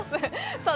さあ